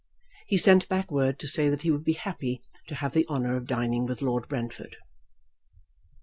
He sent back word to say that he should be happy to have the honour of dining with Lord Brentford.